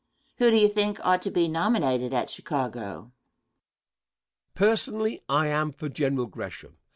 Who do you think ought to be nominated at Chicago? Answer. Personally, I am for General Gresham.